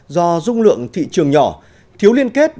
do dung lượng thị trường nhỏ thiếu liên kết